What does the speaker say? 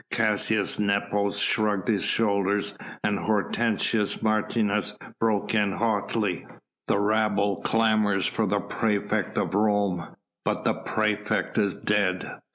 Caius Nepos shrugged his shoulders and Hortensius Martius broke in hotly. "The rabble clamours for the praefect of Rome! but the praefect is dead...."